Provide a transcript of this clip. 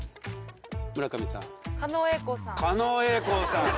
村上さん。